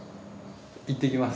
いってきます。